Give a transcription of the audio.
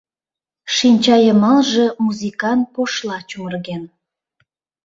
Шинча йымалже музикан пошла чумырген.